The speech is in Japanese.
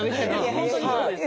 本当にそうです。